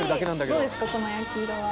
どうですかこの焼き色は。